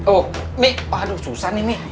oh mi aduh susah nih mi